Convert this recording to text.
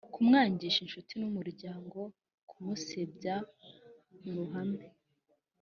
kumwangisha inshuti n’umuryangono kumusebya muruhame